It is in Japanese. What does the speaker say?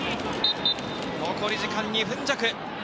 残り時間２分弱。